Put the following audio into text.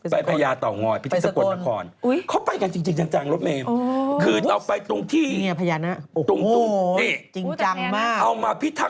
เจ็ดงอนเถิดมือทรวม